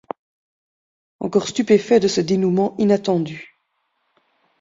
encore stupéfait de ce dénouement inattendu.